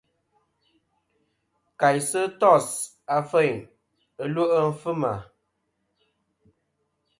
Kà'sɨ tos afeyn ɨlwe' fɨma.